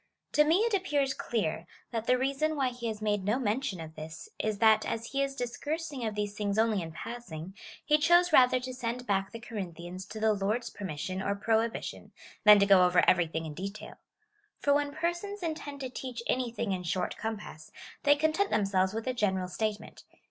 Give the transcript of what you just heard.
To me it appears clear, that the reason why he has made no mention of this^ is, that as he is discoursing of these things only in passing, he chose rather to send back the Corinthians to the Lord's per mission or prohibition, than to go over everything in detail. For when persons intend to teach anything in short com pass, they content themselves with a general statement.